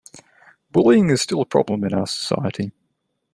Bullying is still a problem in our society.